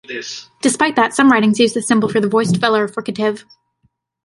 Despite that, some writings use this symbol for the voiced velar fricative.